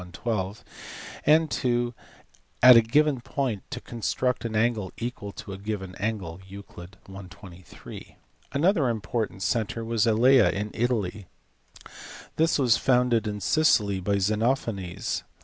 12), and (ii) at a given point to construct an angle equal to a given angle (Euc. i. 23). Another important centre was at Elea in Italy. This was founded in Sicily by Xenophanes.